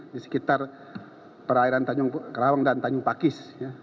di sekitar perairan tanjung kelawang dan tanjung pakis ya